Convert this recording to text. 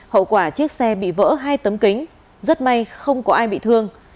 hậu quả chiếc xe bị vỡ hai tấm kính rất may không có ai bị thương